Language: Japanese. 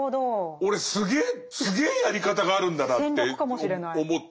俺すげえやり方があるんだなって思って。